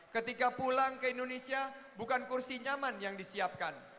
ketika pulang ke indonesia bukan kursi nyaman yang disiapkan